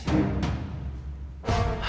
telepon gue diputus ya